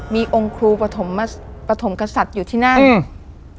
มีองค์ครูปฐมมาปฐมกษัตริย์อยู่ที่นั่นอืม